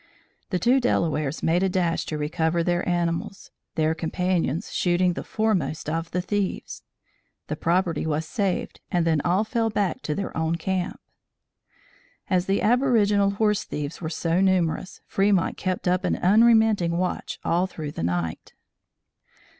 The two Delawares made a dash to recover their animals, their companions shooting the foremost of the thieves. The property was saved and then all fell back to their own camp. As the aboriginal horse thieves were so numerous, Fremont kept up an unremitting watch all through the night.